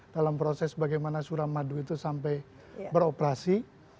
dalam proses bagaimana suramadu itu sampai beroperasi